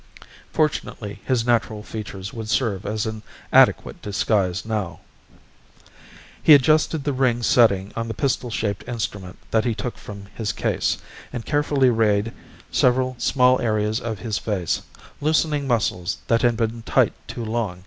Fortunately his natural features would serve as an adequate disguise now. He adjusted the ring setting on the pistol shaped instrument that he took from his case, and carefully rayed several small areas of his face, loosening muscles that had been tight too long.